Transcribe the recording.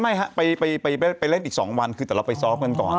ไม่ครับไปเล่นอีก๒วันคือแต่เราไปซ้อมกันก่อน